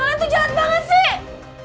wah itu jahat banget sih